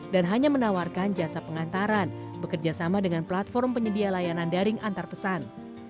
dan hanya menawarkan jasa pengantaran bekerja sama dengan platform penyedia layanan daring antarpesan